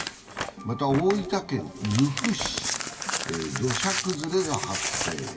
また、大分県由布市、土砂崩れが発生。